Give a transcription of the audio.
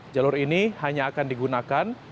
jalur ini hanya akan digunakan